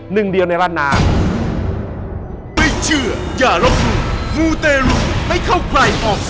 หนึ่งเดียวในราชนา